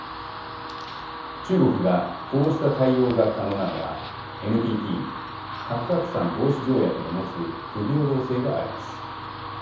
中国がこうした対応が可能なのはＮＰＴ＝核拡散防止条約の持つ不平等性があります。